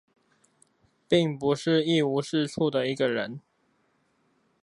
並不是一無是處的一個人